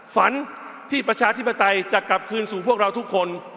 ฝันที่ประชาธิปไตยจะกลับคืนสู่พวกเราทุกคน